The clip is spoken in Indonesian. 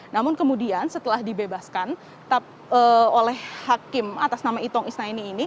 namun kemudian setelah dibebaskan oleh hakim atas nama itong isnaini ini